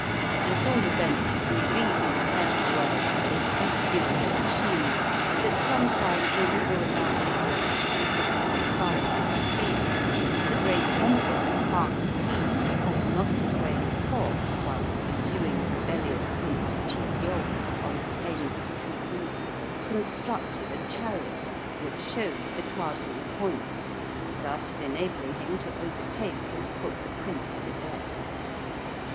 At all events, we read in Pere Du Halde's Description de la Chine, that sometime in or about the year 2635 B.C. the great Emperor Hoang ti, having lost his way in a fog whilst pursuing the rebellious Prince Tchiyeou on the plains of Tchou lou, constructed a chariot which showed the cardinal points, thus enabling him to overtake and put the prince to death.